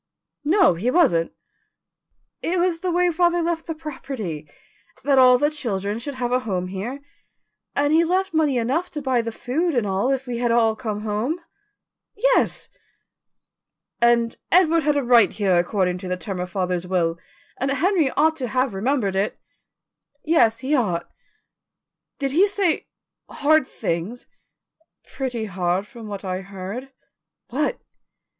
"No, he wasn't." "It was the way father left the property that all the children should have a home here and he left money enough to buy the food and all if we had all come home." "Yes." "And Edward had a right here according to the terms of father's will, and Henry ought to have remembered it." "Yes, he ought." "Did he say hard things?" "Pretty hard from what I heard." "What?"